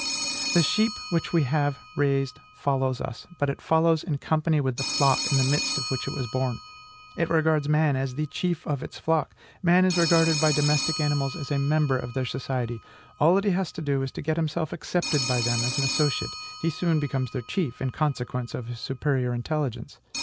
"The sheep which we have raised follows us, but it follows in company with the flock in the midst of which it was born. It regards man AS THE CHIEF OF ITS FLOCK.... Man is regarded by domestic animals as a member of their society. All that he has to do is to get himself accepted by them as an associate: he soon becomes their chief, in consequence of his superior intelligence.